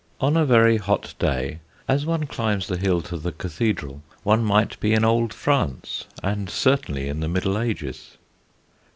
On a very hot day, as one climbs the hill to the cathedral, one might be in old France, and certainly in the Middle Ages.